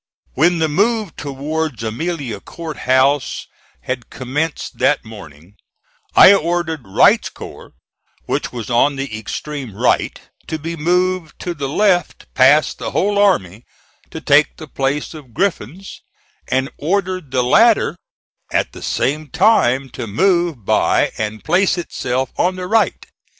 When the move towards Amelia Court House had commenced that morning, I ordered Wright's corps, which was on the extreme right, to be moved to the left past the whole army, to take the place of Griffin's, and ordered the latter at the same time to move by and place itself on the right.